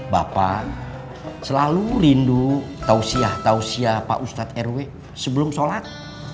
bapak selalu rindu tausiah tausiah pak ustadz rw sebelum sholat